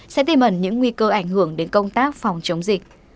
sẽ tìm ẩn những nguy cơ ảnh hưởng đến công tác phòng chống dịch